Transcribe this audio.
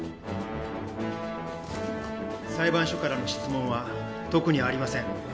裁判所からの質問は特にありません